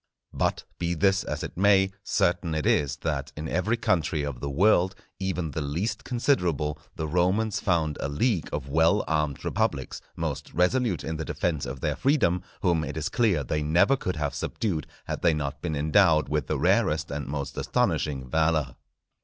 But, be this as it may, certain it is that in every country of the world, even the least considerable, the Romans found a league of well armed republics, most resolute in the defence of their freedom, whom it is clear they never could have subdued had they not been endowed with the rarest and most astonishing valour.